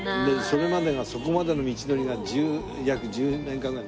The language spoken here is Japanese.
それまでがそこまでの道のりが約１２年間ぐらい長かったからさ。